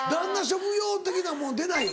職業的なもの出ない？